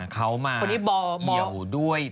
เขามาเอี่ยวด้วย